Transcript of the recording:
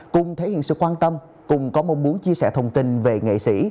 cùng thể hiện sự quan tâm cùng có mong muốn chia sẻ thông tin về nghệ sĩ